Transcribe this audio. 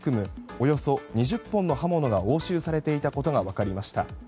およそ２０本の刃物が押収されていたことが分かりました。